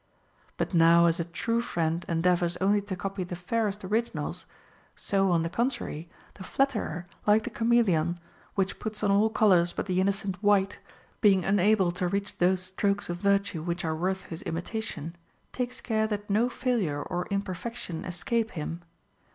But now as a true friend endeavors only to copy the fairest originals, so, on the contrary, the flatterer, like the chameleon, which puts on all colors but the innocent white, being unable to reach those strokes of virtue which are worth his imitation, takes care that no failure or imperfection escape him.